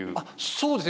そうですね。